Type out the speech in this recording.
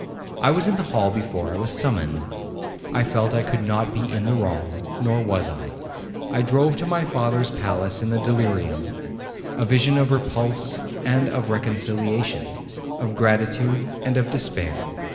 I was in the hall before I was summoned. I felt I could not be in the wrong, nor was I. I drove to my father's palace in a delirium,—a vision of repulse and of reconciliation, of gratitude and of despair.